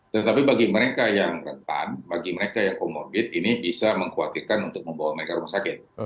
tetapi bagi mereka yang rentan bagi mereka yang comorbid ini bisa mengkhawatirkan untuk membawa mereka rumah sakit